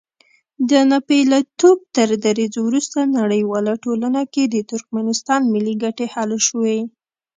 د ناپېیلتوب تر دریځ وروسته نړیواله ټولنه کې د ترکمنستان ملي ګټې حل شوې.